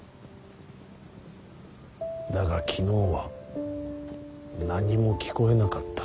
だが昨日は何も聞こえなかった。